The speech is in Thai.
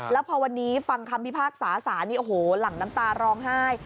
แล้วพอวันนี้ฟังคำพิพากษาสารนี่โอ้โหหลั่งน้ำตาร้องไห้